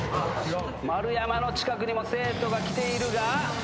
丸山の近くにも生徒が来ているが。